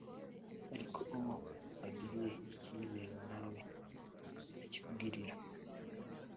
ariko uwo ugiriye icyizere na we aracyikugirira